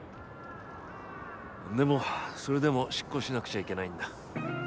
でもそれでも執行しなくちゃいけないんだ。